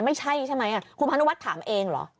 ไม่ใช่ใช่ไหมคุณพนุวัฒน์ถามเองเหรอ